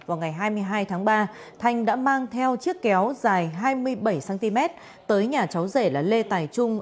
vào ngày hai mươi hai tháng ba thanh đã mang theo chiếc kéo dài hai mươi bảy cm tới nhà cháu rể là lê tài trung